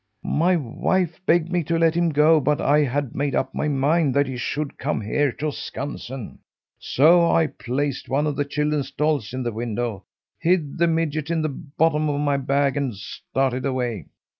My wife begged me to let him go, but I had made up my mind that he should come here to Skansen, so I placed one of the children's dolls in the window, hid the midget in the bottom of my bag, and started away.